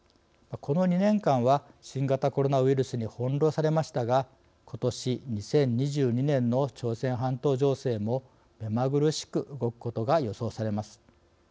この２年間は新型コロナウイルスに翻弄されましたがことし２０２２年の朝鮮半島情勢も目まぐるしく動くことが予想されます。